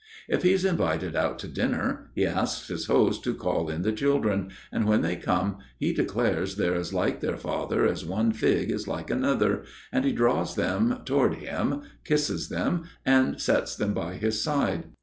If he's invited out to dinner he asks his host to call in the children, and when they come, he declares they're as like their father as one fig is like another, and he draws them toward him, kisses them, and sets them by his side.